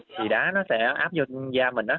thì đá nó sẽ áp vô da mình á